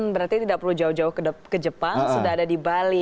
berarti tidak perlu jauh jauh ke jepang sudah ada di bali